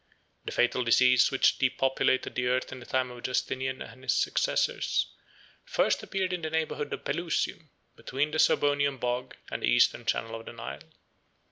The fatal disease which depopulated the earth in the time of Justinian and his successors, 88 first appeared in the neighborhood of Pelusium, between the Serbonian bog and the eastern channel of the Nile.